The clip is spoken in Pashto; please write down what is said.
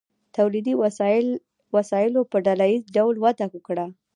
تولیدي وسایلو په ډله ایز ډول وده وکړه.